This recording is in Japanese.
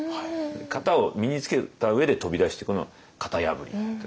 型を身につけた上で飛び出してくのが型破りという。